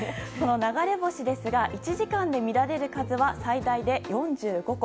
流れ星ですが、１時間で見られる数は最大で４５個。